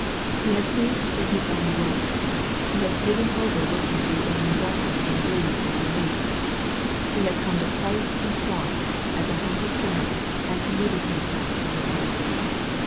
He has ceased from his own works. He has given over looking to his own endeavors and doings for relief. He has come to Christ Himself, as a humble sinner, and committed himself to His mercy.